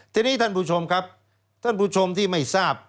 ทีนี้ท่านผู้ชมครับท่านผู้ชมที่ไม่ทราบ